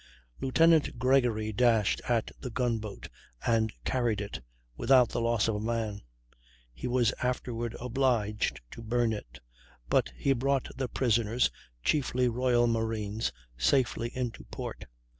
Lieutenant Gregory dashed at the gun boat and carried it without the loss of a man; he was afterward obliged to burn it, but he brought the prisoners, chiefly royal marines, safely into port.